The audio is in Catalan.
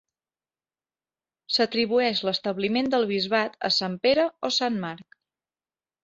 S'atribueix l'establiment del bisbat a Sant Pere o Sant Marc.